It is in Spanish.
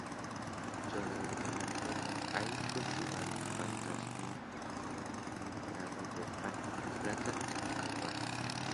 Sobre el atolón allí cultivan Pandanus, cocoteros, el árbol del pan, plátanos y calabazas.